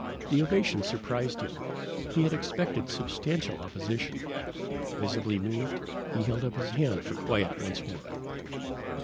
The ovation surprised him. He had expected substantial opposition. Visibly moved, he held up his hand for quiet once more.